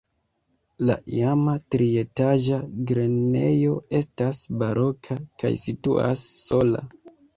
La iama trietaĝa grenejo estas baroka kaj situas sola.